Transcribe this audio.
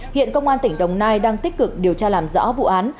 hiện công an tỉnh đồng nai đang tích cực điều tra làm rõ vụ án